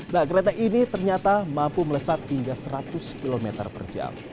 nah kereta ini ternyata mampu melesat hingga seratus km per jam